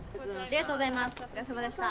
ありがとうございます。